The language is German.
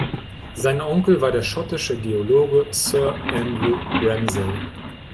Sein Onkel war der schottische Geologe Sir Andrew Ramsay.